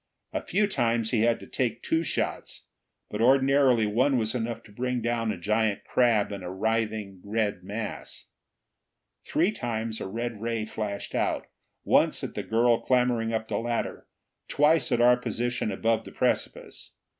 A few times he had to take two shots, but ordinarily one was enough to bring down a giant crab in a writhing red mass. Three times a red ray flashed out, once at the girl clambering up the ladder, twice at our position above the precipice.